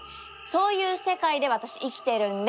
そういう世界で私生きてるんで！